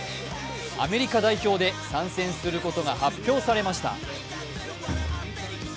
アメリカ代表で参戦することが発表されました。